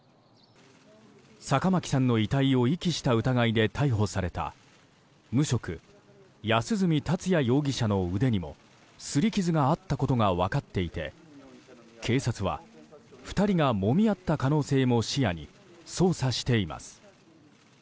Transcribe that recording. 坂巻さんの遺体を遺棄した疑いで逮捕された無職安栖達也容疑者の腕にもすり傷があったことが分かっていて警察は２人がもみ合った可能性も視野に捜査しています。